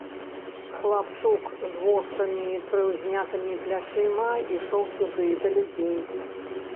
Хлапчук з вострымі прыўзнятымі плячыма ішоў сюды, да людзей.